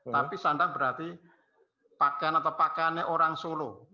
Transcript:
tapi sandang berarti pakaian atau pakaiannya orang solo